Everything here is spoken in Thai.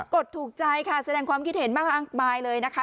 ดถูกใจค่ะแสดงความคิดเห็นมากมายเลยนะคะ